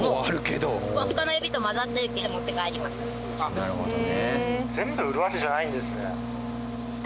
なるほどね。